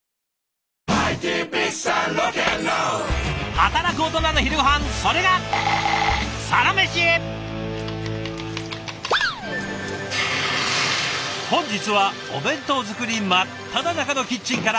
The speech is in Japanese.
働くオトナの昼ごはんそれが本日はお弁当作り真っただ中のキッチンから。